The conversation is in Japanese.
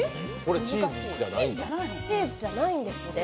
チーズじゃないんですって。